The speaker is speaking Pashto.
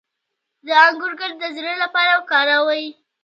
د انګور ګل د زړه لپاره وکاروئ